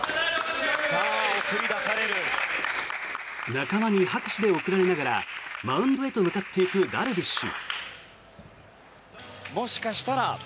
仲間に拍手で送られながらマウンドへと向かっていくダルビッシュ。